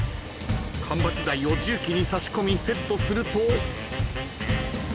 ［間伐材を重機に差し込みセットすると］